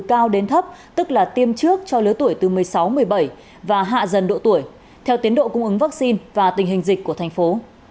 cao đến thấp tức là tiêm trước cho lứa tuổi từ một mươi sáu một mươi bảy và hạ dần độ tuổi theo tiến độ cung ứng vaccine và tình hình dịch của thành phố